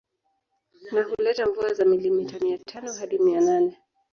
Na huleta mvua za milimita mia tano hadi mia nane